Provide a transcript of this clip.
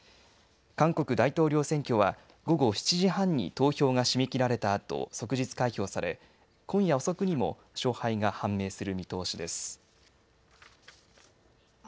韓国大統領選挙は午後７時半に投票が締め切られたあと即日開票され今夜遅くにも勝敗が判明する見通しです。